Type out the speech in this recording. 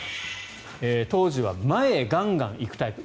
当時は前へガンガン行くタイプ。